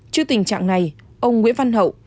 trước tình trạng này ông nguyễn văn hậu